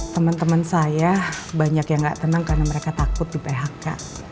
temen temen saya banyak yang gak tenang karena mereka takut di phk